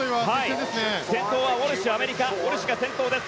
先頭はウォルシュアメリカ、ウォルシュが先頭です。